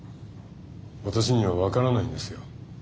私には分からないんですよ。